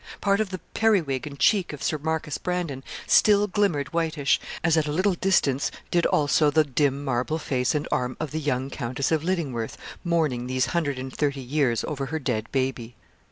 Part of the periwig and cheek of Sir Marcus Brandon still glimmered whitish, as at a little distance did also the dim marble face and arm of the young Countess of Lydingworth, mourning these hundred and thirty years over her dead baby.